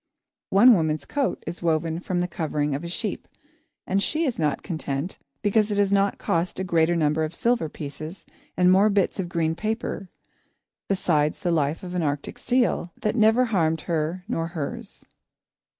One woman's coat is woven from the covering of a sheep, and she is not content because it has not cost a greater number of silver pieces and more bits of green paper, besides the life of an Arctic seal, that never harmed her nor hers.